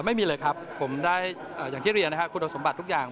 ไม่มีเลยครับผมได้อย่างที่เรียนนะครับคุณสมบัติทุกอย่าง